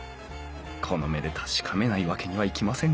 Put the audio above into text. この目で確かめないわけにはいきません